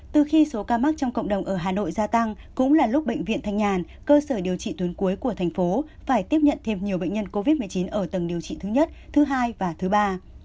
từ khi số ca mắc trong cộng đồng ở hà nội gia tăng cũng là lúc bệnh viện thanh nhàn cơ sở điều trị tuyến cuối của thành phố phải tiếp nhận thêm nhiều bệnh nhân covid một mươi chín ở tầng điều trị thứ nhất thứ hai và thứ ba